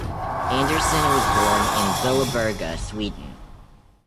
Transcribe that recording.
Anderson was born in Billeberga, Sweden.